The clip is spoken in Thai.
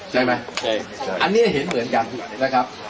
ใช่ไหมใช่อันนี้เห็นเหมือนกันนะครับ